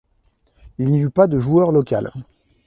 Il n'y eut pas de joueur local.